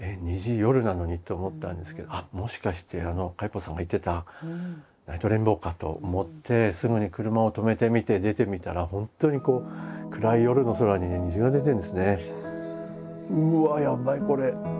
夜なのに？」って思ったんですけど「もしかしてカイポさんが言ってたナイトレインボーか」と思ってすぐに車を止めてみて出てみたら本当にこう暗い夜の空にね虹が出てるんですね。